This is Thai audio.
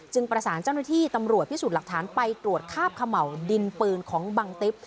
ประสานเจ้าหน้าที่ตำรวจพิสูจน์หลักฐานไปตรวจคาบเขม่าวดินปืนของบังติ๊บ